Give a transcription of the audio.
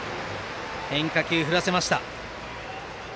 変化球、振らせました。